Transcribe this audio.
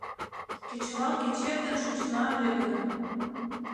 Кечывал кечет ден шочына ыле гын